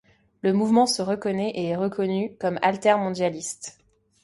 Le mouvement se reconnaît et est reconnu comme altermondialiste.